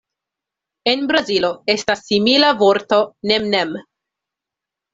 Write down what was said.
En Brazilo, estas simila vorto "nem-nem".